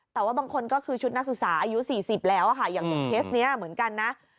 แต่ว่าบางคนก็คือชุดนักศึกษาอายุ๔๐แล้วค่ะอย่างเคสนี้เหมือนกันนะ